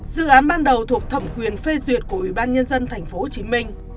dự án ban đầu thuộc thẩm quyền phê duyệt của ủy ban nhân dân tp hcm